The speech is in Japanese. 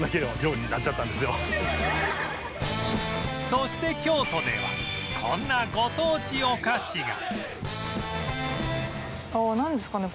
そして京都ではこんなご当地お菓子がなんですかね？